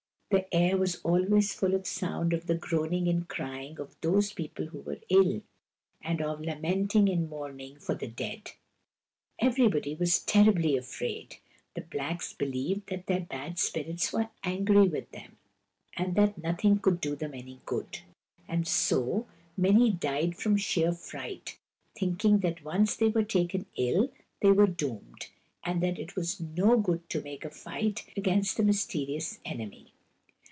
The air was always full of the sound of the groaning and crying of those people who were ill, and of lamenting and mourning for the dead. Everybody was terribly afraid. The blacks believed that their bad spirits were angry with them, and that nothing could do them any good ; and so, many died from sheer fright, thinking that once they were taken ill they were doomed, and that it was no good to make a fight against the mysteri ous enemy.